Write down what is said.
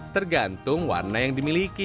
tergantung warna yang dimiliki